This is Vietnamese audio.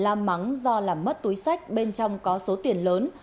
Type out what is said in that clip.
la mắng do làm mất túi sách bên trong có số tiền lớn